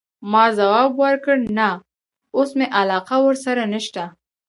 ما ځواب ورکړ: نه، اوس مي علاقه ورسره نشته.